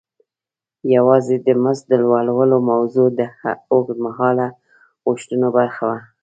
یوازې د مزد د لوړولو موضوع د اوږد مهاله غوښتنو برخه وه.